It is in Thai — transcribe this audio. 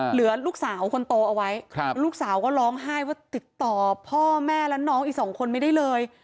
เหลือลูกสาวคนโตเอาไว้ลูกสาวก็ร้องไห้ว่าติดต่อพ่อแม่และน้องอีกสองคนไม่ได้เลย